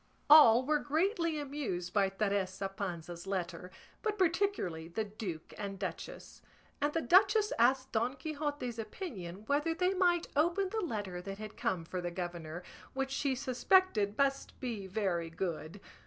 All were greatly amused by Teresa Panza's letter, but particularly the duke and duchess; and the duchess asked Don Quixote's opinion whether they might open the letter that had come for the governor, which she suspected must be very good.